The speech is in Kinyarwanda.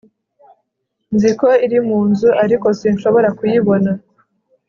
nzi ko iri mu nzu, ariko sinshobora kuyibona